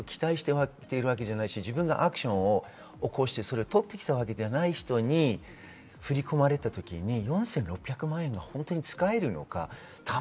ある日、何も期待しているわけじゃないし、自分がアクションを起こして、取ってきたわけではない人に振り込まれた時に４６００万円が本当に使えるのか。